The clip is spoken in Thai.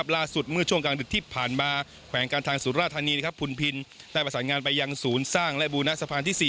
เมื่อช่วงกลางดึกที่ผ่านมาแขวงการทางสุราธานีพุนพินได้ประสานงานไปยังศูนย์สร้างและบูณสะพานที่๔